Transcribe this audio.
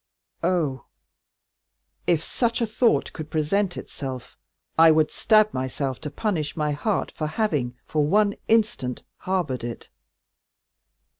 Oh, if such a thought could present itself, I would stab myself to punish my heart for having for one instant harbored it."